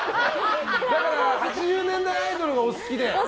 ８０年代アイドルがお好きで。